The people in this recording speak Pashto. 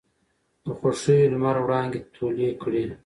د خـوښـيو لمـر وړانـګې تـولې کـړې.